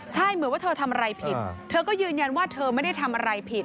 ใช่เหมือนว่าเธอทำอะไรผิดเธอก็ยืนยันว่าเธอไม่ได้ทำอะไรผิด